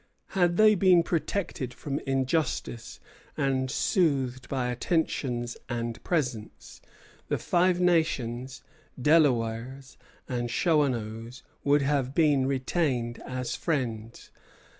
Had they been protected from injustice and soothed by attentions and presents, the Five Nations, Delawares, and Shawanoes would have been retained as friends.